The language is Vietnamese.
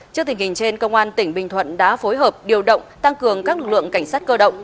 trước tình hình trên công an tỉnh bình thuận đã phối hợp điều động tăng cường các lực lượng cảnh sát cơ động